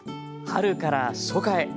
春から初夏へ。